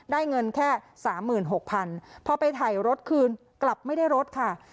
ได้เงินแค่สามหมื่นพอไปถ่ายรถคืนกลับไม่ได้รถค่ะ